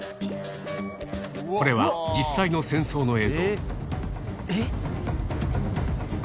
これは、実際の戦争の映像。